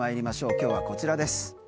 今日はこちらです。